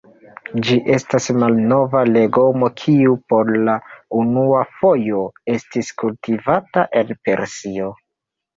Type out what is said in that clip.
Ĝi estas malnova legomo kiu por la unua fojo estis kultivata en Persio.